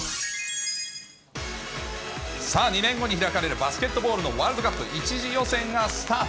さあ、２年後に開かれる、バスケットボールのワールドカップ１次予選がスタート。